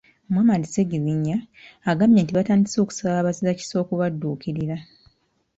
Muhammad Sseggirinya, agambye nti batandise okusaba abazirakisa okubadduukirira.